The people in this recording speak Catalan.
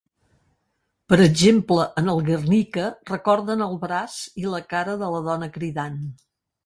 Per exemple, en el Guernica, recorden al braç i la cara de la dona cridant.